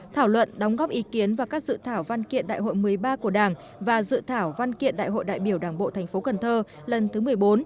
thảo luận đóng góp ý kiến và các dự thảo văn kiện đại hội một mươi ba của đảng và dự thảo văn kiện đại hội đại biểu đảng bộ thành phố cần thơ lần thứ một mươi bốn